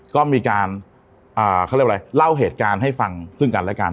ก็มีการเขาเรียกว่าอะไรเล่าเหตุการณ์ให้ฟังซึ่งกันและกัน